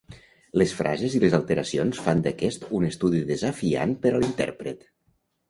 Les frases i les alteracions fan d'aquest un estudi desafiant per a l'intèrpret.